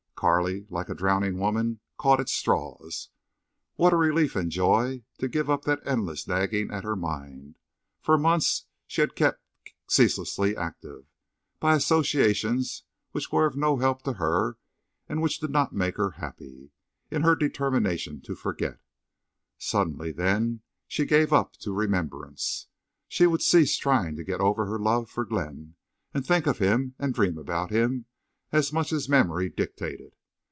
Carley, like a drowning woman, caught at straws. What a relief and joy to give up that endless nagging at her mind! For months she had kept ceaselessly active, by associations which were of no help to her and which did not make her happy, in her determination to forget. Suddenly then she gave up to remembrance. She would cease trying to get over her love for Glenn, and think of him and dream about him as much as memory dictated.